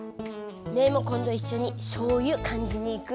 メイもこんどいっしょにしょうゆかんじに行く？